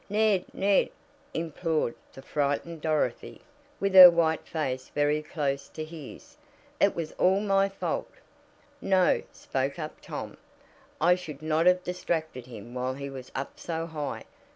"Ned! Ned!" implored the frightened Dorothy, with her white face very close to his. "It was all my fault!" "No," spoke up Tom, "I should not have distracted him while he was up so high.